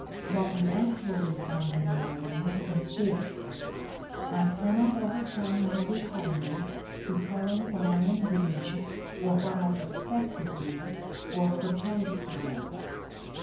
"What we actually find him writing is this: "I cannot overcome my repugnance to telling what I am doing or what I expect to do or propose to do.